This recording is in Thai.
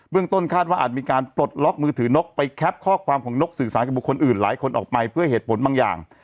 ต้นคาดว่าอาจมีการปลดล็อกมือถือนกไปแคปข้อความของนกสื่อสารกับบุคคลอื่นหลายคนออกไปเพื่อเหตุผลบางอย่าง